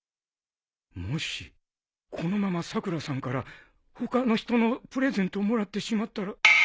もしこのままさくらさんから他の人のプレゼントをもらってしまったら。